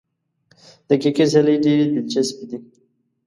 د کرکټ سیالۍ ډېرې دلچسپې دي.